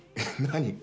何？